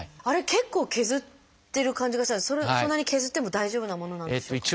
あれ結構削ってる感じがしたんですけどそんなに削っても大丈夫なものなんですか？